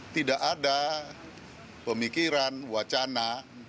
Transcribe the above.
tidak ada pemikiran wacana